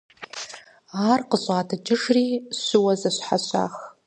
Ар къыщӀатӏыкӏыжри щыуэ зэщхьэщах.